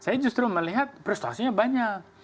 saya justru melihat prestasinya banyak